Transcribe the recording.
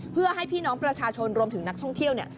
เพื่อให้พี่น้องประชาชนรวมถึงนักท่องเที่ยวเนี่ย